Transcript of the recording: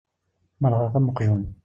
Merrɣeɣ am uqjun.